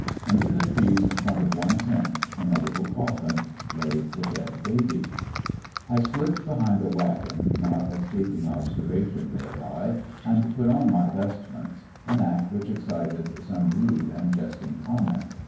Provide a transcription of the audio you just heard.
Under the trees in front of one tent, in a little coffin, lay the dead baby. I slipped behind a wagon, not escaping ob Service under servation thereby, and put on my vestments, '^^'^'^"^ an act which excited some rude and jesting comment.